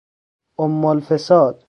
امالفساد